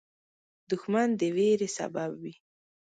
دښمن د ویرې سبب وي